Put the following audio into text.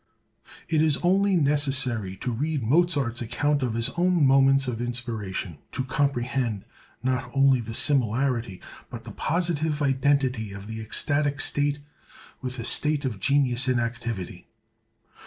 It is only necessary to read Mozart's account of his own moments of inspiration, to comprehend not only the similarity, but the positive identity, of the ecstatic state with the state of genius in activity.